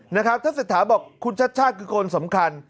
นะครับถ้าสิทธาบอกคุณชัดคือคนสำคัญ